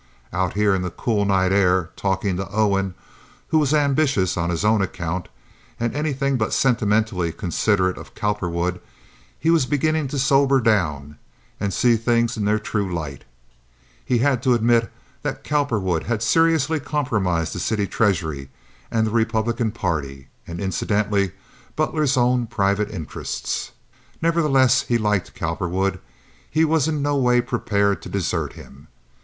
Out here in the cool night air, talking to Owen, who was ambitious on his own account and anything but sentimentally considerate of Cowperwood, he was beginning to sober down and see things in their true light. He had to admit that Cowperwood had seriously compromised the city treasury and the Republican party, and incidentally Butler's own private interests. Nevertheless, he liked Cowperwood. He was in no way prepared to desert him.